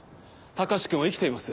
隆君は生きています。